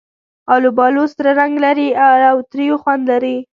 آلوبالو سره رنګ لري او تریو خوند لري.